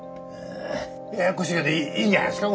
ややこしいけどいいんじゃないですか？